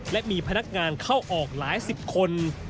และมีพนักงานเข้าออกหลายสิบคน